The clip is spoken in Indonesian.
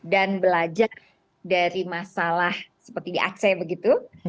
dan belajar dari masalah seperti di aceh begitu